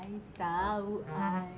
i tau i